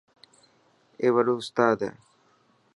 اي وڏو استاد هي.